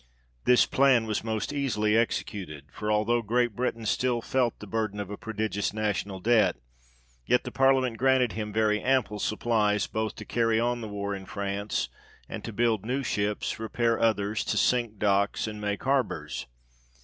This plan was most easily executed ; for although Great. Britain still felt the burthen of a prodigious National Debt, yet the parliament granted him very ample supplies, both to carry on the war in France, and to build new ships, repair others, to sink docks, and make harbours.